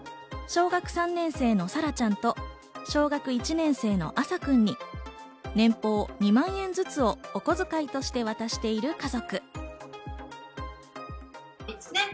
まずは小学３年生のさらちゃんと小学１年生のあさくんに年俸２万円ずつをお小遣いとして渡している家族。